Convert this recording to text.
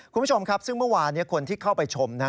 คุณผู้ชมครับซึ่งเมื่อวานคนที่เข้าไปชมนะ